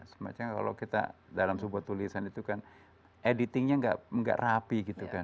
semacam kalau kita dalam sebuah tulisan itu kan editingnya nggak rapi gitu kan